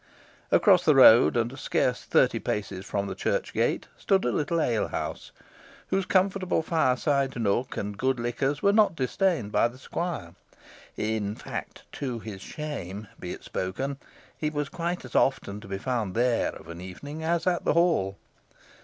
Across the road, and scarce thirty paces from the church gate, stood a little alehouse, whose comfortable fireside nook and good liquors were not disdained by the squire. In fact, to his shame be it spoken, he was quite as often to be found there of an evening as at the hall.